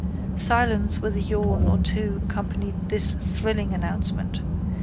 Silence with a yawn or two accompanied this thrilling announcement.